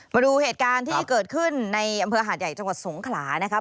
มาดูเหตุการณ์ที่เกิดขึ้นในอำเภอหาดใหญ่จังหวัดสงขลานะครับ